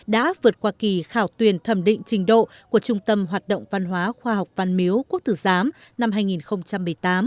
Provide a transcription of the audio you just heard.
đã vượt qua kỳ khảo tuyển thẩm định trình độ của trung tâm hoạt động văn hóa khoa học văn miếu quốc tử giám năm hai nghìn một mươi tám